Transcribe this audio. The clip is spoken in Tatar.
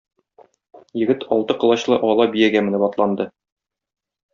Егет алты колачлы ала биягә менеп атланды.